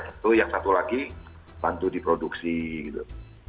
tentu yang satu lagi bantu diproduksi gitu